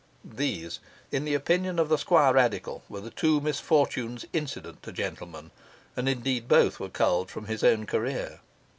These, in the opinion of the Squirradical, were the two misfortunes incident to gentlemen; and indeed both were culled from his own career.